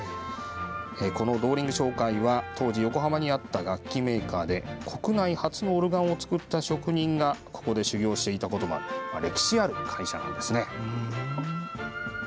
ドーリング商会は当時、横浜にあった楽器メーカーで国内初のオルガンを作った職人がここで修業していたこともある歴史ある会社なんです。